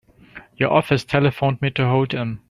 Your office telephoned me to hold him.